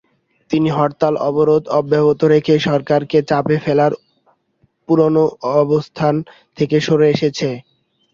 তিনি হরতাল-অবরোধ অব্যাহত রেখে সরকারকে চাপে ফেলার পুরোনো অবস্থান থেকে সরে এসেছেন।